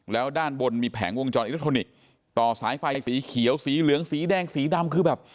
แล้วด้านบนมีแผงวงจรอิเล็กทรอนิกส์ต่อสายไฟสีเขียวสีเหลืองสีแดงสีดำคือแบบ